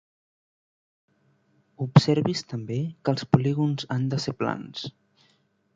Observi's també que els polígons han de ser plans.